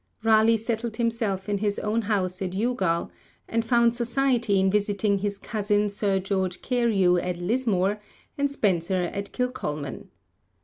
Raleigh settled himself in his own house at Youghal, and found society in visiting his cousin, Sir George Carew, at Lismore, and Spenser at Kilcolman.